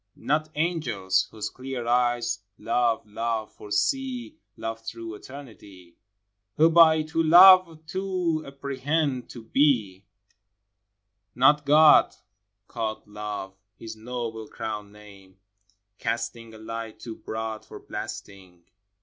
Not angels, whose clear eyes, love, love, foresee, Love through eternity, Who, by " to love," do apprehend " to be ;" 22 FROM QUEENS' GARDENS. Not God, called Love , His noble crown name, — casting A light too broad for blasting